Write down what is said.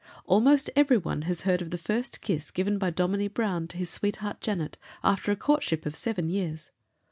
Almost every one has heard of the first kiss given by Dominie Brown to his sweetheart Janet, after a courtship of seven years.